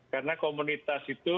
karena komunitas itu